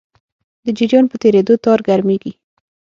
د جریان په تېرېدو تار ګرمېږي.